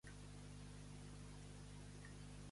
Tanmateix, el Jutjat l'ha absolt per falta de proves.